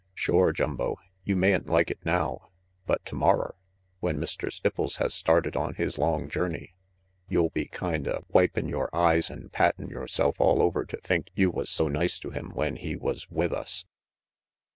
Shore, Jumbo, you mayn't like it now, but tomorrer, when Mr. Stipples has started on his long journey, you'll be kinda wipin' yore eyes an' pattin' yourself all over to think you was so nice to him when he was with us."